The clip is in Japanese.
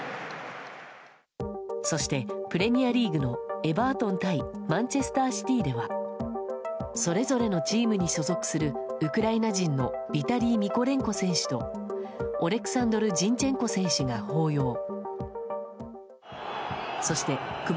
そして、プレミアリーグのエバートン対マンチェスターシティーではそれぞれのチームに所属するウクライナのヴィタリー・ミコレンコ選手とオレクサンドル・ジンチェンコ選手が抱擁。